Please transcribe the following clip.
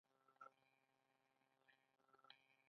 جهالت تیاره ده